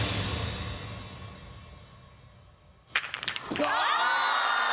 うわ！